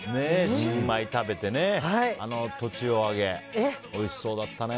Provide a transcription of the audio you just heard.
新米食べて栃尾揚げ、おいしそうだったね。